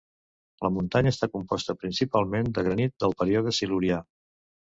La muntanya està composta principalment de granit del període Silurià.